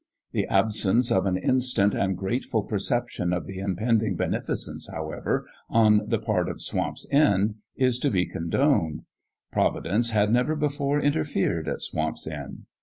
The absence of an instant and grateful perception of the impending beneficence, however, on the part of Swamp's End, is to be condoned : Provi dence had never before interfered at Swamp's End.